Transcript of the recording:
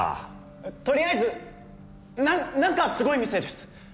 とりあえずなんなんかすごい店です！